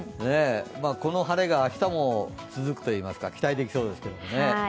この晴れが明日も続くといいますか、期待できそうですね。